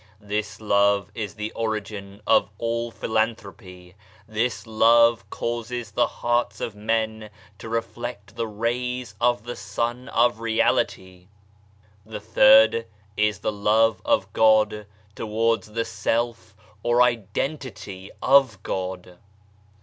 This love is the origin of all philanthropy ; this love causes the hearts of men to reflect the rays of the Sun of Reality. The third is the love of God towards the Self or Identity of God.